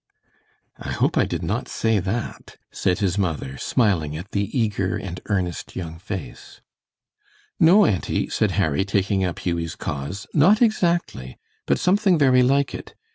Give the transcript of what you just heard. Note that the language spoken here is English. "I hope I did not say that," said his mother, smiling at the eager and earnest young face. "No, auntie," said Harry, taking up Hughie's cause, "not exactly, but something very like it.